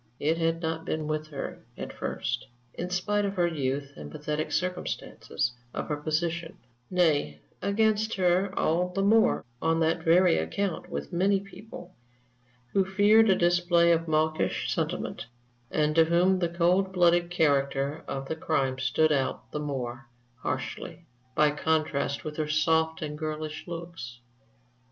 It had not been with her at first, in spite of her youth and the pathetic circumstances of her position; nay, against her all the more on that very account with many people, who feared a display of mawkish sentiment, and to whom the cold blooded character of the crime stood out the more harshly, by contrast with her soft and girlish looks.